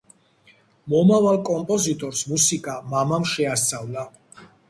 მომავალ კომპოზიტორს მუსიკა მამამ შეასწავლა.